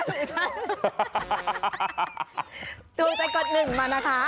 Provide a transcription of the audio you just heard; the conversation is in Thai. ถูกใจกว่าหนึ่งมานะคะ